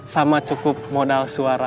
sama cukup modal suara